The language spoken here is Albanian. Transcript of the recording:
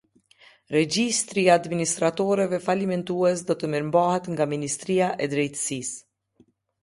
Regjistri i administratorëve falimentues do të mirëmbahet nga Ministria e Drejtësisë.